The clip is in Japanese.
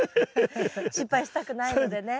失敗したくないのでね。